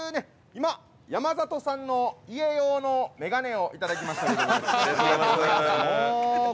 今、山里さんの家用の眼鏡を頂きましたけども。